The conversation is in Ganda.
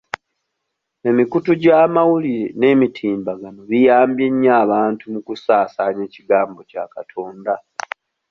Emikutu gy'amawulire n'emitimbagano biyambye nnyo abantu mu kusaasaanya ekigambo kya Katonda.